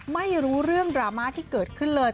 ไม่รู้เรื่องดราม่าที่เกิดขึ้นเลย